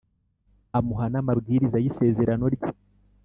amuha n’amabwiriza y’Isezerano rye,